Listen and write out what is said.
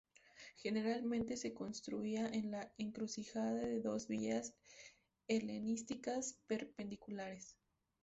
Generalmente se construía en la encrucijada de dos vías helenísticas perpendiculares.